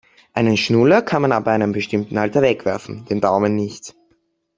Einen Schnuller kann man ab einem bestimmten Alter wegwerfen, den Daumen nicht.